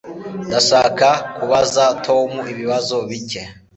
Ndashaka kubaza Tom ibibazo bike